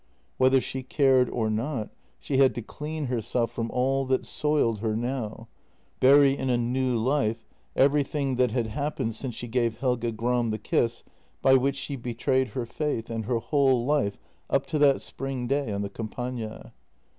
Whether she cared or not, she had to clean herself from all that soiled her now, bury in a new life every thing that had happened since she gave Helge Gram the kiss by which she betrayed her faith and her whole life up to that spring day on the Campagna.